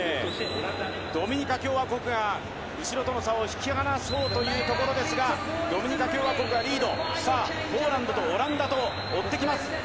ドミニカ共和国が後ろとの差を引き離そうというところですが、ポーランドとオランダと追ってきます。